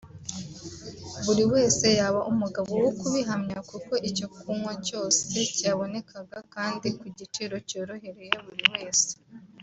buri wese yaba umugabo wo kubihamya kuko icyo kunywa cyose cyabonekaga kandi ku giciro cyoroheye buri wese